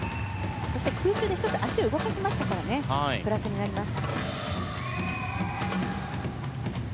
そして空中で１つ足を動かしましたからプラスになります。